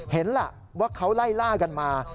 เห็นล่ะว่าเขาไล่ล่ากันมา